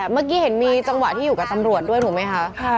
เมื่อกี้เห็นมีจังหวะที่อยู่กับตำรวจด้วยถูกไหมคะ